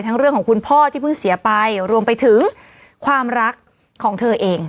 เรื่องของคุณพ่อที่เพิ่งเสียไปรวมไปถึงความรักของเธอเอง